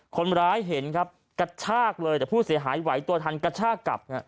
คนร้ายเห็นครับกระชากเลยแต่ผู้เสียหายไหวตัวทันกระชากกลับ